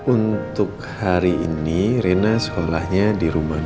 untuk hari ini rina sekolahnya di rumah riza